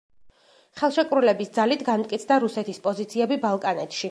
ხელშეკრულების ძალით განმტკიცდა რუსეთის პოზიციები ბალკანეთში.